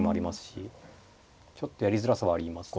ちょっとやりづらさはあります。